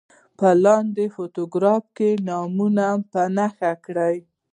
په لاندې پاراګراف کې نومونه په نښه کړي.